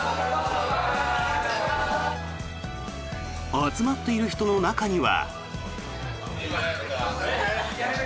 集まっている人の中には。